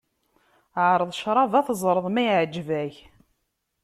Ԑreḍ ccrab-a, teẓreḍ ma iεǧeb-ak.